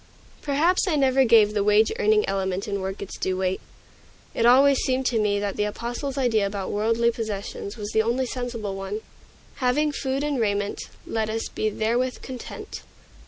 Perhaps I never gave the wage earning element in work its due weight. It always seemed to me that the Apostle's idea about worldly possessions was the only sensible one, "Having food and raiment, let us be therewith content."